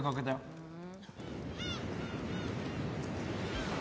うん。